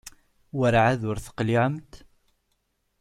Werɛad ur teqliɛemt?